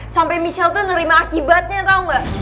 sampe michelle tuh nerima akibatnya tau gak